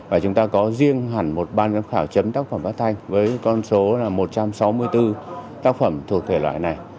và chúng ta có riêng hẳn một ban giám khảo chấm tác phẩm phát thanh với con số là một trăm sáu mươi bốn tác phẩm thuộc thể loại này